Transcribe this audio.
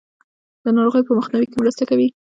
د ناروغیو په مخنیوي کې مرسته کوي.